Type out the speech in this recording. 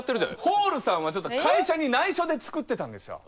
ホールさんは会社にないしょで作ってたんですよ。